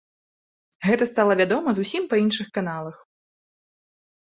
Гэта стала вядома зусім па іншых каналах.